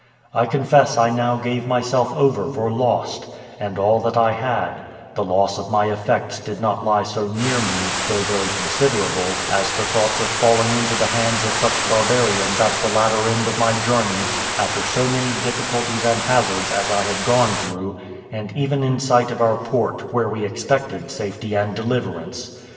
I confess I now gave myself over for lost, and all that I had; the loss of my effects did not lie so near me, though very considerable, as the thoughts of falling into the hands of such barbarians at the latter end of my journey, after so many difficulties and hazards as I had gone through, and even in sight of our port, where we expected safety and deliverance.